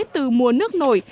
từ mùa nước nổi